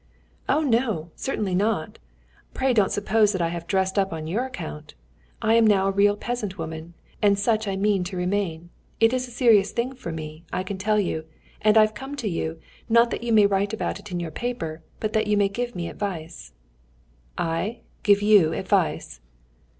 "Oh, no! certainly not! Pray don't suppose that I have dressed up on your account. I am now a real peasant woman, and such I mean to remain. It is a serious thing for me, I can tell you, and I've come to you, not that you may write about it in your paper, but that you may give me advice." "I give you advice?"